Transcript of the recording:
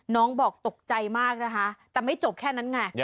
บอกตกใจมากนะคะแต่ไม่จบแค่นั้นไง